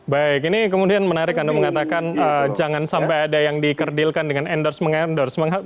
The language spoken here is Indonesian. baik ini kemudian menarik anda mengatakan jangan sampai ada yang dikerdilkan dengan endorse mengendorse